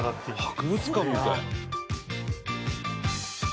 博物館みたい。